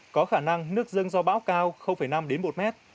có khả năng nước dâng do bão cao năm đến một mét